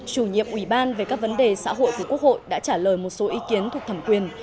chủ nhiệm ủy ban về các vấn đề xã hội của quốc hội đã trả lời một số ý kiến thuộc thẩm quyền